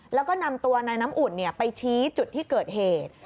แล้วก็นำตัวนายน้ำอุ่นไปชี้จุดที่เกิดเหตุ